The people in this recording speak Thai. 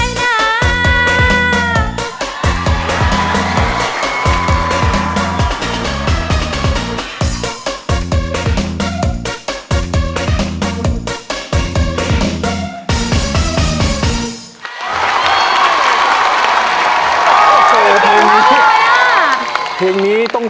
เกิดเสียแฟนไปช่วยไม่ได้นะ